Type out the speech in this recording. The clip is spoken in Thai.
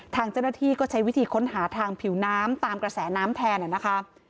ทางเจ้าหน้าที่ก็ใช้วิธีค้นหาทางผิวน้ำตามกระแสน้ำแทนนะคะ